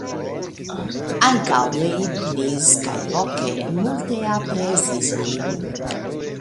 Ankaŭ Leibniz kaj Locke multe aprezis lin.